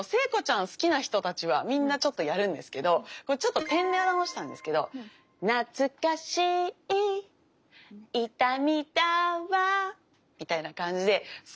好きな人たちはみんなちょっとやるんですけどこれちょっと点で表したんですけどなつかしいいたみだわみたいな感じで少しだけ切る。